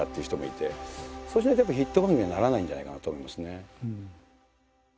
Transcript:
そうしないとやっぱヒット番組にはならないんじゃないかなと思いますね。